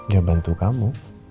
ya bantu kamu